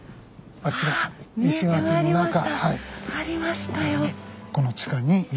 ありましたよ。